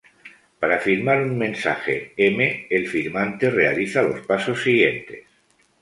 Para firmar un mensaje "m" el firmante realiza los pasos siguientes.